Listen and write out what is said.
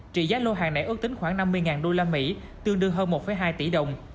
trị giá lô hàng này ước tính khoảng năm mươi usd tương đương hơn một hai tỷ đồng